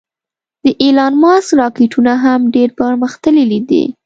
د ایلان ماسک راکټونه هم ډېر پرمختللې دې